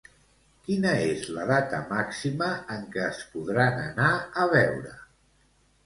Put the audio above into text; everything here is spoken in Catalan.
Quina és la data màxima en què es podran anar a veure?